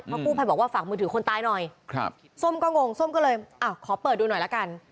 เพราะกู้ภัยบอกว่าฝากมือถือคนตายหน่อยส้มก็งงส้มก็เลยขอเปิดดูหน่อยละกัน